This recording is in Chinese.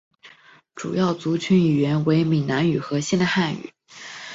主要族群语言为闽南语和现代汉语。